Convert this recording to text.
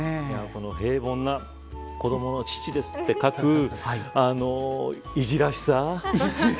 このへいぼんな子どもの父ですって書くいじらしさ。